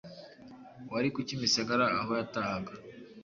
wari ku kimisagara aho yatahaga